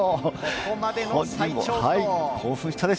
ここまでの最長不倒。